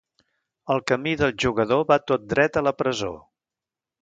El camí del jugador va tot dret a la presó.